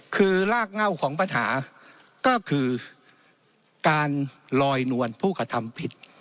คือรากเง่าของปัญหาก็คือการลอยนวลผู้กระทำผิด